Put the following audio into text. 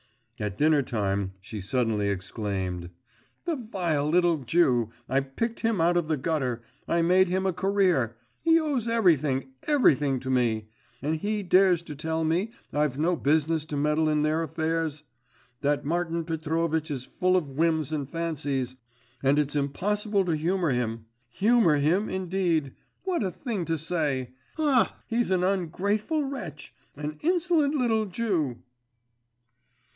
At dinner time she suddenly exclaimed, 'The vile little Jew! I picked him out of the gutter, I made him a career, he owes everything, everything to me, and he dares to tell me I've no business to meddle in their affairs! that Martin Petrovitch is full of whims and fancies, and it's impossible to humour him! Humour him, indeed! What a thing to say! Ah, he's an ungrateful wretch! An insolent little Jew!